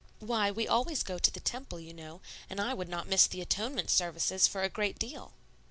"Why, we always go to the Temple, you know; and I would not miss the Atonement services for a great deal."